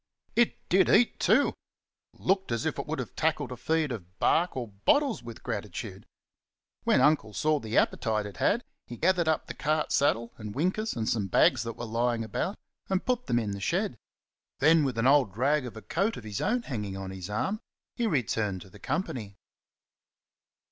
It did eat, too! looked as if it would have tackled a feed of bark or bottles with gratitude. When Uncle saw the appetite it had he gathered up the cart saddle and winkers and some bags that were lying about, and put them in the shed. Then, with an old rag of a coat of his own hanging on his arm, he returned to the company.